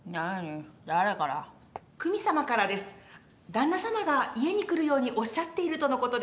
旦那さまが家に来るようにおっしゃっているとのことです。